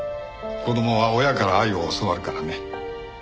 子供は親から愛を教わるからね。